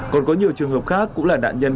còn có nhiều trường hợp khác cũng là nạn nhân